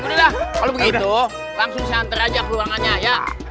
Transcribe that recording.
kalau begitu langsung saya antar aja ke ruangannya ya